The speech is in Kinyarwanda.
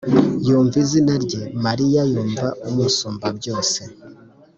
yumva izina rye. mariya yumva umusumbabyose